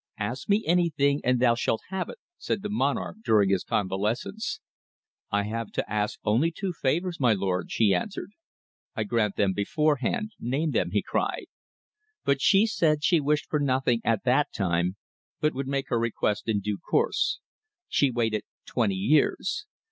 'Ask me anything and thou shalt have it,' said the monarch during his convalescence. 'I have to ask only two favours, my lord,' she answered. 'I grant them beforehand. Name them,' he cried. But she said she wished for nothing at that time, but would make her request in due course. She waited twenty years.